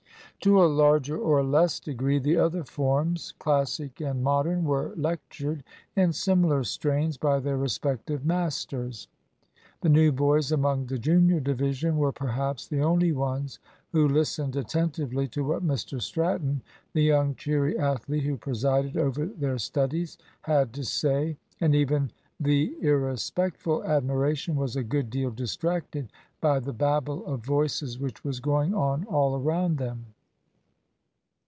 To a larger or less degree the other forms, Classic and Modern, were lectured in similar strains by their respective masters. The new boys among the junior division were, perhaps, the only ones who listened attentively to what Mr Stratton, the young, cheery athlete who presided over their studies, had to say. And even the irrespectful admiration was a good deal distracted by the babel of voices which was going on all round them.